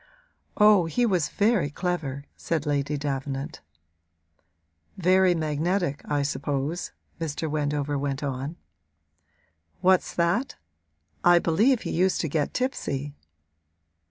'Oh, he was very clever,' said Lady Davenant. 'Very magnetic, I suppose,' Mr. Wendover went on. 'What's that? I believe he used to get tipsy.'